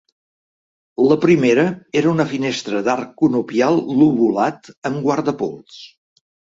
La primera era una finestra d'arc conopial lobulat amb guardapols.